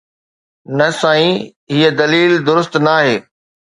نه سائين، هي دليل درست ناهي.